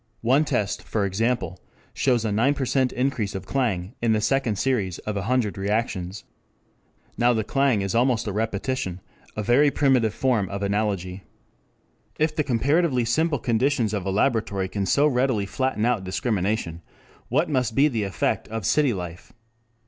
One test, for example, shows a 9% increase of clang in the second series of a hundred reactions. Now the clang is almost a repetition, a very primitive form of analogy. 4 If the comparatively simple conditions of a laboratory can so readily flatten out discrimination, what must be the effect of city life?